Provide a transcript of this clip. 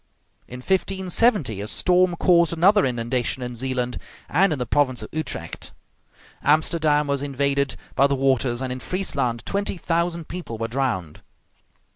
In 1570 a storm caused another inundation in Zealand and in the province of Utrecht; Amsterdam was invaded by the waters, and in Friesland twenty thousand people were drowned.